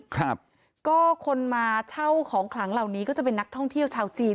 ครับก็คนมาเช่าของขลังเหล่านี้ก็จะเป็นนักท่องเที่ยวชาวจีน